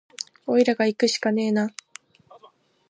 おいらがいくしかねえな